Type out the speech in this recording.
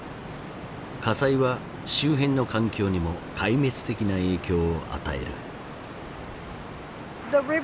火災は周辺の環境にも壊滅的な影響を与える。